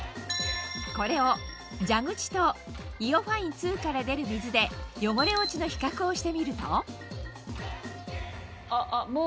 これを蛇口とＩＯファイン２から出る水で汚れ落ちの比較をしてみるとあっあっもう。